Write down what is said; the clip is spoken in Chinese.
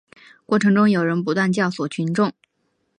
过程中有人不断教唆群众